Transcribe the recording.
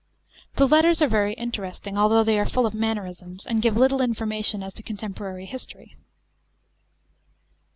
The letters are very interesting, although they are full of mannerisms, and give little information as to contemporary history.